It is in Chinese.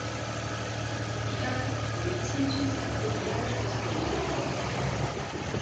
荸艾为千屈菜科荸艾属下的一个种。